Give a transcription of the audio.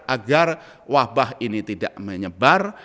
agar wabah ini tidak menyebar